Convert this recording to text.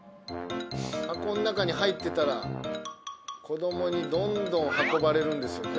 箱の中に入ってたら子供にどんどん運ばれるんですよね。